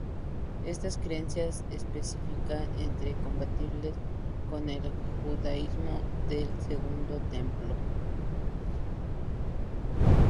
Estas creencias específicas eran compatibles con el judaísmo del Segundo Templo.